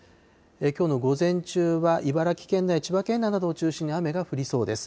きょうの午前中は、茨城県内、千葉県内などを中心に雨が降りそうです。